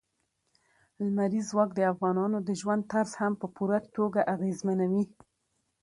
لمریز ځواک د افغانانو د ژوند طرز هم په پوره توګه اغېزمنوي.